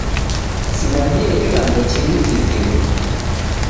Siw'adie kilambo chimu kizima